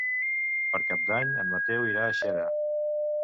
Per Cap d'Any en Mateu irà a Xera.